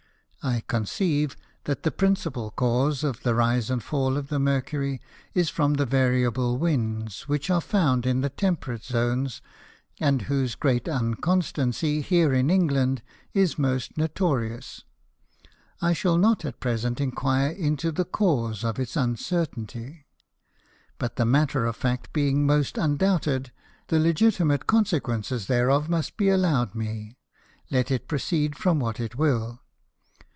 I conceive that the principal Cause of the rise and fall of the Mercury, is from the variable Winds, which are found in the Temperate Zones, and whose great unconstancy here in England is most notorious. I shall not at present inquire into the Cause of its uncertainty, but the Matter of Fact being most undoubted, the Legitimate Consequences thereof must be allow'd me, let it proceed from what it will.